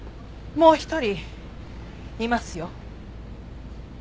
もう一人いますよ。